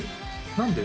何で？